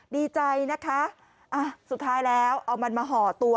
ดีใจนะคะสุดท้ายแล้วเอามันมาห่อตัว